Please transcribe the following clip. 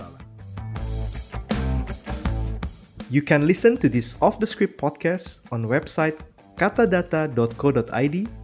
anda dapat mendengar podcast ini di website katadata co id